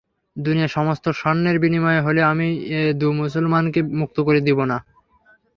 দুনিয়ার সমস্ত স্বর্ণের বিনিময়ে হলেও আমি এ দু মুসলমানকে মুক্ত করতে দিব না।